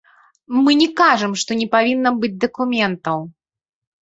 Мы не кажам, што не павінна быць дакументаў.